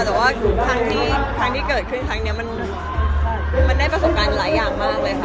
แต่ว่าครั้งที่เกิดขึ้นครั้งนี้มันได้ประสบการณ์หลายอย่างมากเลยค่ะ